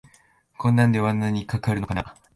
こんなんで罠にかかるのかなあ